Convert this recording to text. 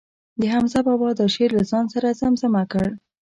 د حمزه بابا دا شعر له ځان سره زمزمه کړ.